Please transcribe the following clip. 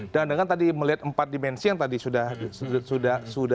dan dengan tadi melihat empat dimensi yang tadi sudah